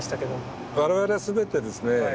我々は全てですね